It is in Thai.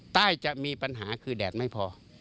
จะมีปัญหาคือแดดไม่พอ